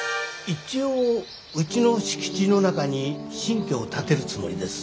一応うちの敷地の中に新居を建てるつもりです。